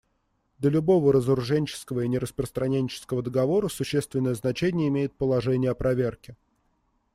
Для любого разоруженческого и нераспространенческого договора существенное значение имеют положения о проверке.